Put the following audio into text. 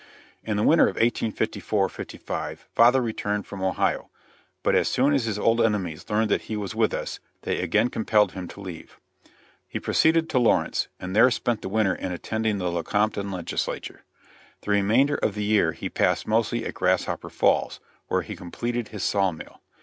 In the winter of 1854 55 father returned from Ohio, but as soon as his old enemies learned that he was with us, they again compelled him to leave. He proceeded to Lawrence, and there spent the winter in attending the Lecompton Legislature. The remainder of the year he passed mostly at Grasshopper Falls, where he completed his saw mill.